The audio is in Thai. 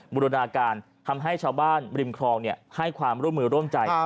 บุรณาการทำให้ชาวบ้านริมครองให้ความร่วมมือร่วมใจ